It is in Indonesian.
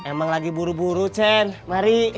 emang lagi buru buru cen mari